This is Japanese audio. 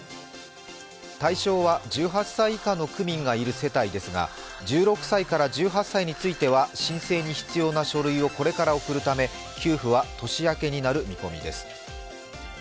対象は１８歳以下の区民がいる世帯ですが、１６歳から１８歳については申請に必要な書類をこれから送るため給付は年明けになる見込みです。